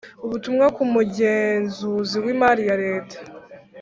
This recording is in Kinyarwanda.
Ubutumwa kumugenzuzi wimari yareta